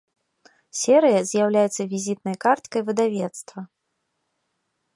Серыя з'яўляецца візітнай карткай выдавецтва.